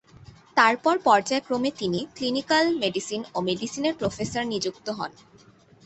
তারপর পর্যায়ক্রমে তিনি ক্লিনিক্যাল মেডিসিন ও মেডিসিনের প্রফেসর নিযুক্ত হন।